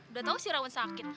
udah tau si raun sakit